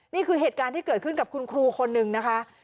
นี่คือเหตุการณ์ที่เกิดขึ้นกับคุณครูคนนึงนะคะ